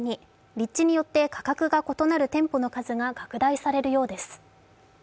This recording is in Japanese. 立地によって価格が異なる店舗の数が拡大されるようです。